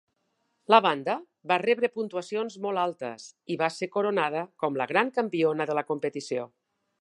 La banda va rebre puntuacions molt altes i va ser coronada com la Gran campiona de la competició.